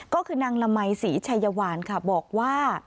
ก็คือนางละมัยศรีชัยวานค่ะบอกว่า